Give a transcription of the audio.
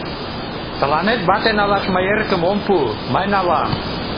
Тыланет вате налаш мый эрыкым ом пу, мый налам!